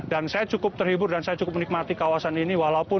dan saya cukup terhibur dan saya cukup menikmati kawasan ini